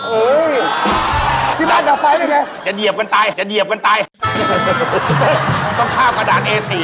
กลับไปหนูกลับไป